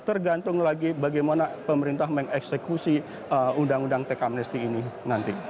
tergantung lagi bagaimana pemerintah mengeksekusi undang undang tek amnesti ini nanti